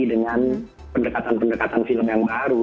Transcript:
dengan pendekatan pendekatan film yang baru